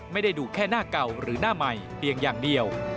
ไม่ได้ดูแค่หน้าเก่าหรือหน้าใหม่เพียงอย่างเดียว